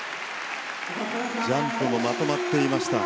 ジャンプもまとまっていました。